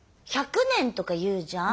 １００年とか言うじゃん？